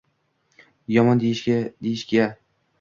Yomon deyishga.